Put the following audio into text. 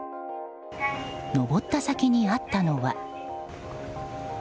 上った先にあったのは。